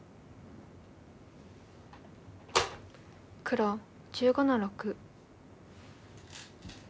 黒１５の六。